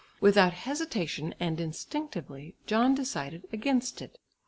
Without hesitation and instinctively John decided against it.